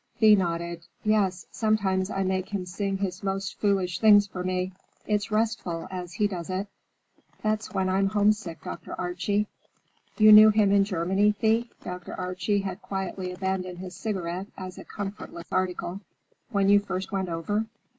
Thea nodded. "Yes; sometimes I make him sing his most foolish things for me. It's restful, as he does it. That's when I'm homesick, Dr. Archie." "You knew him in Germany, Thea?" Dr. Archie had quietly abandoned his cigarette as a comfortless article. "When you first went over?"